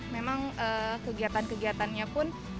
memang kegiatan kegiatannya pun